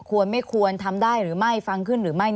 ควรไม่ควรทำได้หรือไม่ฟังขึ้นหรือไม่